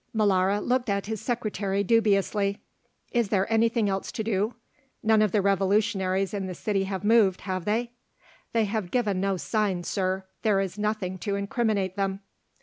Molara looked at his secretary dubiously. "Is there anything else to do? None of the revolutionaries in the city have moved, have they?" "They have given no sign, Sir; there is nothing to incriminate them."